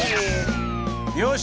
よし！